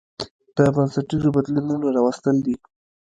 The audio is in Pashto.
د بنسټيزو بدلونونو راوستل دي